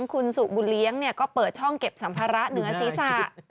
คุณสุบุญเลี้ยงก็เปิดช่องเก็บสัมภาระเหนือศีรษะ